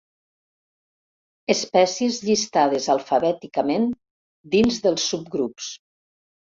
Espècies llistades alfabèticament dins dels subgrups.